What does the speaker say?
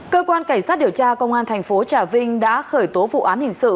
cơ quan cảnh sát điều tra công an thành phố trà vinh đã khởi tố vụ án hình sự